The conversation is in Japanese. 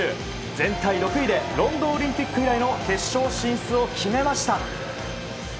全体６位でロンドンオリンピック以来の決勝進出を決めました。